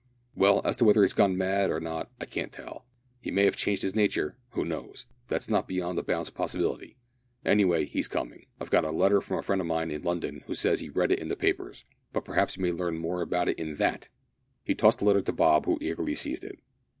"Well, as to whether he's gone mad or not I can't tell he may have changed his nature, who knows? That's not beyond the bounds of possibility. Anyway, he is coming. I've got a letter from a friend of mine in London who says he read it in the papers. But perhaps you may learn more about it in that." He tossed a letter to Bob, who eagerly seized it.